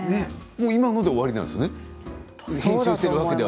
今ので終わりなんですね。